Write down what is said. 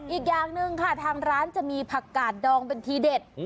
อีกอย่างหนึ่งค่ะทางร้านจะมีผักกาดดองเป็นทีเด็ด